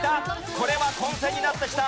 これは混戦になってきた。